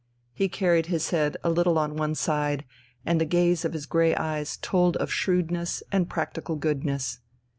He carried his head a little on one side, and the gaze of his grey eyes told of shrewdness and practical goodness.